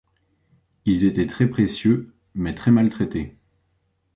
Ils étaient très précieux mais très mal traités.